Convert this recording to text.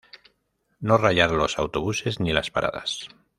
No rayar los autobuses ni las paradas.